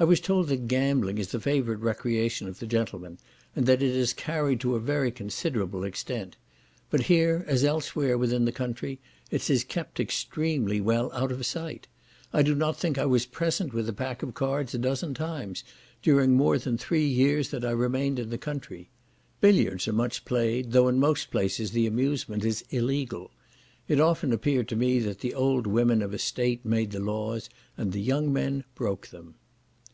I was told that gambling is the favourite recreation of the gentlemen, and that it is carried to a very considerable extent; but here, as elsewhere within the country, it is kept extremely well out of sight. I do not think I was present with a pack of cards a dozen times during more than three years that I remained in the country. Billiards are much played, though in most places the amusement is illegal. It often appeared to me that the old women of a state made the laws, and the young men broke them.